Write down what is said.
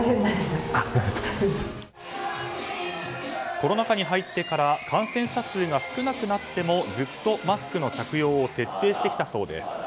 コロナ禍に入ってから感染者数が少なくなってもずっとマスクの着用を徹底してきたそうです。